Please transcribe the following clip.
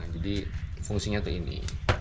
jadi fungsinya tuh ini